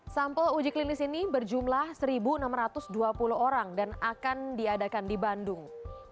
sampel uji klinis ini berjumlah satu enam ratus dua puluh orang dan akan diadakan di bandung